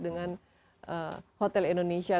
dengan hotel indonesia